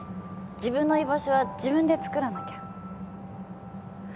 自分の居場所は自分でつくらなきゃ。